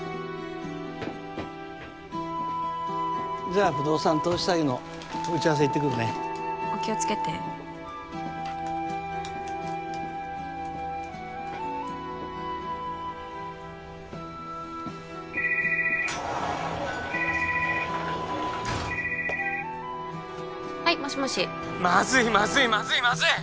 じゃあ不動産投資詐欺の打ち合わせ行ってくるねお気をつけてはいもしもしまずいまずいまずいまずい！